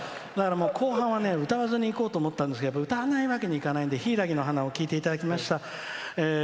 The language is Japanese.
だから後半は歌わずにいこうと思ったんですけど歌わないわけにはいかないので「柊の花」を聴いていただきました。